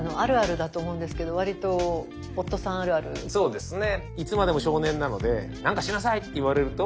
そうですね。